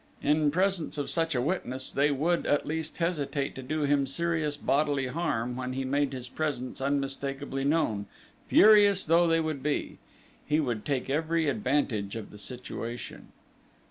In presence of such a witness, they would, at least, hesitate to do him serious bodily harm when he made his presence unmistakably known, furious though they would be. He would take every advantage of the situation....